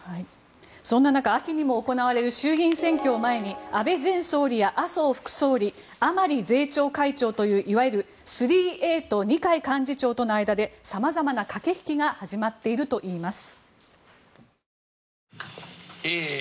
そんな中秋にも行われる衆議院選挙を前に安倍前総理や麻生副総理甘利税調会長といういわゆる３Ａと二階幹事長との間で様々な駆け引きが始まっているといいます。